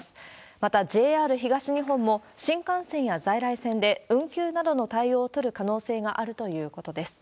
また、ＪＲ東日本も、新幹線や在来線で運休などの対応を取る可能性があるということです。